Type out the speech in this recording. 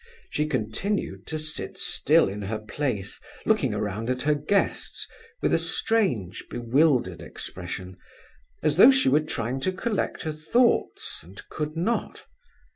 She continued to sit still in her place, looking around at her guests with a strange, bewildered expression, as though she were trying to collect her thoughts, and could not.